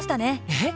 えっ？